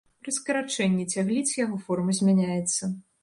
Пры скарачэнні цягліц яго форма змяняецца.